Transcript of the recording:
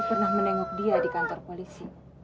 pernah menengok dia di kantor polisi